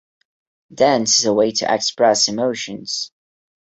Dance is a way to express emotions.